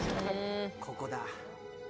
ここだ。